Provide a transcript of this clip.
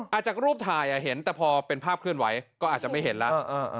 จากรูปถ่ายเห็นแต่พอเป็นภาพเคลื่อนไหวก็อาจจะไม่เห็นแล้ว